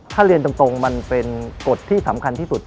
ถ้าเรียนตรงมันเป็นกฎที่สำคัญที่สุด